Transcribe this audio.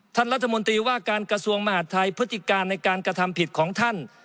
ท่านรัฐมนตรีว่าการกระทรวงมหาดไทยพฤติการในการกระทำผิดของท่าน